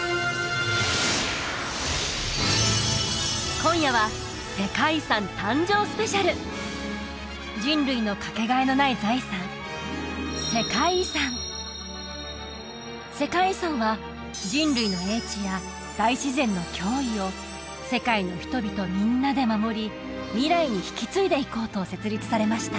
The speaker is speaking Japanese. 今夜は人類のかけがえのない財産世界遺産は人類の叡智や大自然の驚異を世界の人々みんなで守り未来に引き継いでいこうと設立されました